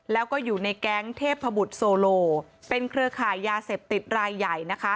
แล้วก็อยู่ในแก๊งเทพบุตรโซโลเป็นเครือข่ายยาเสพติดรายใหญ่นะคะ